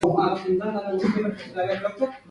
چې دېوالونه به یې اویا کالو د مزل سور ولري.